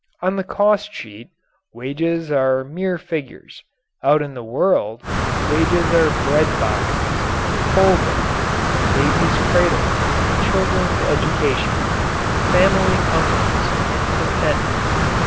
On the cost sheet, wages are mere figures; out in the world, wages are bread boxes and coal bins, babies' cradles and children's education family comforts and contentment.